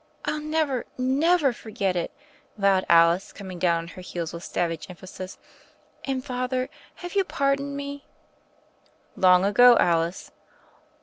*' "I'll never, never forget it," vowed Alice, coming down on her heels with savage emphasis. "And, Father, have you pardoned me?" "Long ago, Alice."